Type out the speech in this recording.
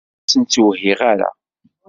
Ur sent-ttwehhiɣ ara.